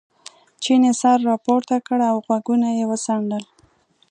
چیني سر را پورته کړ او غوږونه یې وڅنډل.